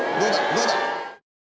どうだ？